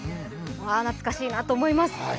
懐かしいなと思います。